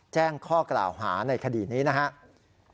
แจ้งข้อกล่าวหาในคดีนี้นะครับ